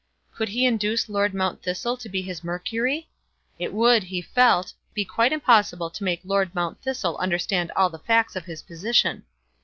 Could he induce Lord Mount Thistle to be his Mercury? It would, he felt, be quite impossible to make Lord Mount Thistle understand all the facts of his position.